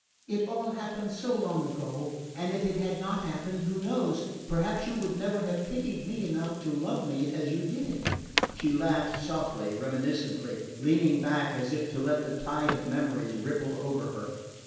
It all happened so long ago; and if it had not happened who knows? perhaps you would never have pitied me enough to love me as you did." She laughed softly, reminiscently, leaning back as if to let the tide of memories ripple over her.